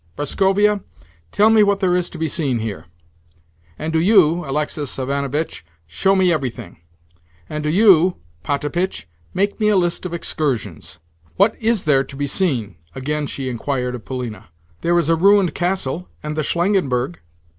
Prascovia, tell me what there is to be seen here; and do you, Alexis Ivanovitch, show me everything; and do you, Potapitch, make me a list of excursions. What is there to be seen?" again she inquired of Polina. "There is a ruined castle, and the Shlangenberg."